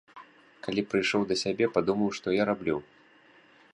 Калі прыйшоў да сябе, падумаў, што я раблю?